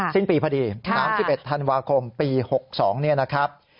สิ้นปีพอดี๓๑ธันวาคมปี๖๒เนี่ยนะครับ